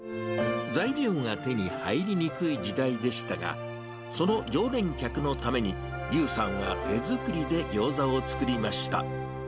材料が手に入りにくい時代でしたが、その常連客のために、ゆうさんは手作りでギョーザを作りました。